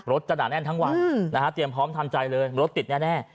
จะหนาแน่นทั้งวันนะฮะเตรียมพร้อมทำใจเลยรถติดแน่